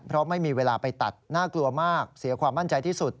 เพราะไม่มีเวลาไปตัดน่ากลัวมากเสียความมั่นใจที่สุด